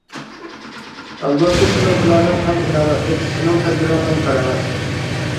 ھالبۇكى سېنىڭ پىلانىڭ ئەڭ ئىناۋەتلىك، سېنىڭ تەدبىرىڭ ئەڭ كارامەتلىك.